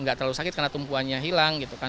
nggak terlalu sakit karena tumpuannya hilang gitu kan